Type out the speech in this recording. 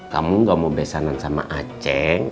kamu gak mau besanan sama aceh